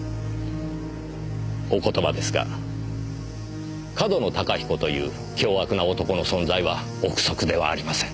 お言葉ですが上遠野隆彦という凶悪な男の存在は憶測ではありません。